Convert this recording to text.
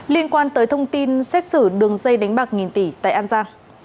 liên quan tới thông tin xét xử đường dây đánh bạc nghìn tỷ tại an giang